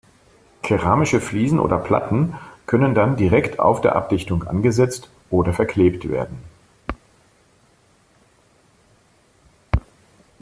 Keramische Fliesen oder Platten können dann direkt auf der Abdichtung angesetzt oder verklebt werden.